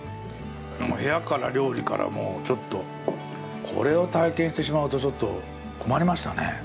部屋から、料理から、もう、ちょっと、これを体験してしまうと、ちょっと困りましたね。